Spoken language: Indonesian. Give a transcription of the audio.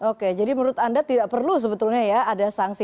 oke jadi menurut anda tidak perlu sebetulnya ya ada sanksi